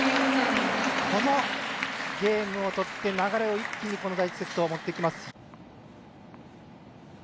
このゲームをとって流れを一気にこの第１セット持ってきます。